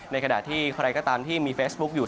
ในขณะที่ใครก็ตามที่มีเฟซบุ๊คอยู่